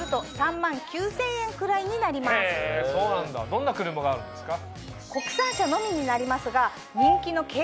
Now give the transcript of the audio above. どんな車があるんですか？